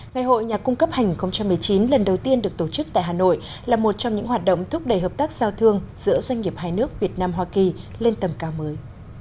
ngày hội nhà cung cấp hành hai nghìn một mươi chín lần đầu tiên được tổ chức tại hà nội là một trong những hoạt động thúc đẩy hợp tác giao thương giữa doanh nghiệp hai nước việt nam hoa kỳ lên tầm cao mới